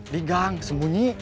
di gang sembunyi